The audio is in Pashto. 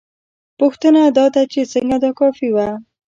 پوښتنه دا ده چې څنګه دا کافي وه؟